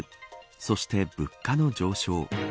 そして物価の上昇。